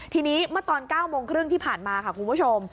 ทีนี้เมื่อตอน๙โมงครึ่งที่ผ่านมาค่ะคุณผู้ชม